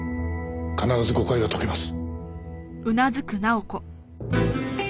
必ず誤解は解けます。